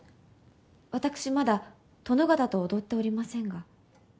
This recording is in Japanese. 私まだ殿方と踊っておりませんが。